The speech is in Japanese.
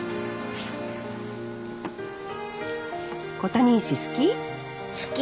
小谷石好き？